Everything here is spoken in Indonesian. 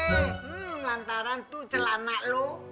hmm nantaran tuh celana lo